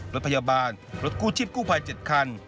รถพยาบาลรถกู้ชีพกู้ภัย๗คัน